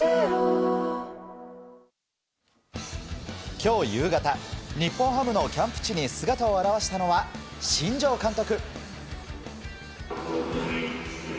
今日夕方日本ハムのキャンプ地に姿を現したのは新庄監督。